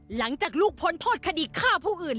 หลังจากลูกพ้นโทษคดีฆ่าผู้อื่น